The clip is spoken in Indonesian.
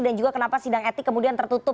dan juga kenapa sidang etik kemudian tertutup